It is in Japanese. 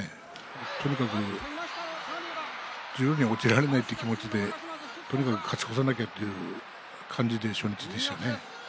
とにかく十両に落ちられないという気持ちでとにかく勝ち越さなきゃという感じでの初日でしたね。